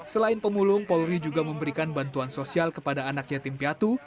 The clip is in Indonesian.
selain pemulung polri juga memberikan bantuan sosial kepada anak yatim piatu